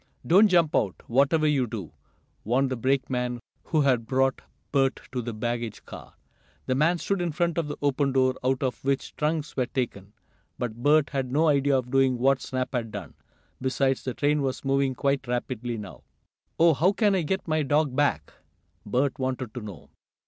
"Don't jump out, whatever you do!" warned the brakeman who had brought Bert to the baggage car. The man stood in front of the open door, out of which trunks were taken. But Bert had no idea of doing what Snap had done. Besides, the train was moving quite rapidly now. "Oh, how can I get my dog back?" Bert wanted to know.